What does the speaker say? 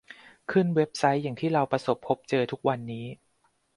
ขึ้นเว็บไซต์อย่างที่เราประสบพบเจอทุกวันนี้